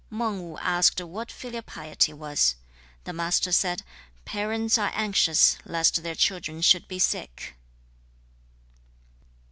Mang Wu asked what filial piety was. The Master said, 'Parents are anxious lest their children should be sick.'